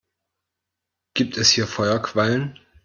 Gibt es hier Feuerquallen?